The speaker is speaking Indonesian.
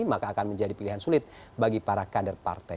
maka akan menjadi pilihan sulit bagi para kader partai